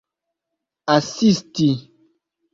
asisti